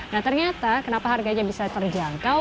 nah ternyata kenapa harganya bisa terjangkau